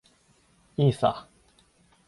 いいさ。